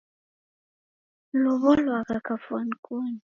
Nilow'olwagha kafwani koni.